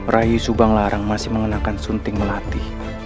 rayu subanglarang masih mengenakan sunting melati